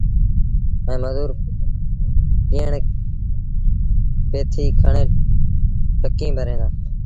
ائيٚݩ مزور پيٿين کڻي ٽڪيٚݩ ڀريٚݩ دآ۔